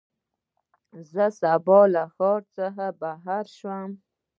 زه به سبا له ښار نه بهر لاړ شم.